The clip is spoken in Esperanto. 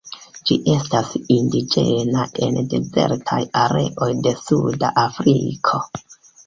Ĝi estas indiĝena en dezertaj areoj de suda Afriko.